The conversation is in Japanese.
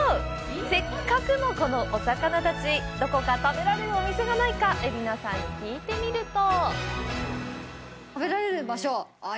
せっかくのこのお魚たち、どこか食べられるお店がないか蝦名さんに聞いてみると。